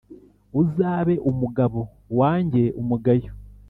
uzabe umugabo, wange umugayo.